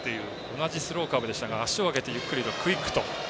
同じスローカーブでしたが足を上げてゆっくりと。